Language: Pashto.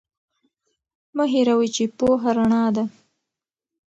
مه هیروئ چې پوهه رڼا ده.